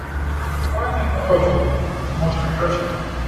Тоа е најдоброто од нас или можеби грешам.